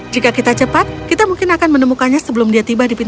jika kita cepat kita mungkin akan menemukannya sebelum kita sampai di sana